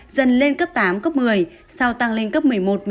dần lên cấp tám cấp một mươi sau tăng lên cấp một mươi một một mươi hai